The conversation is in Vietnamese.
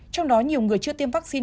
trong đó nhiều người chưa tiêm vaccine